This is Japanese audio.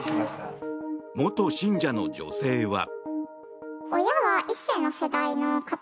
元信者の女性は。